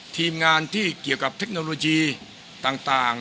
ทีมงานที่เกี่ยวกับเทคโนโลยีต่าง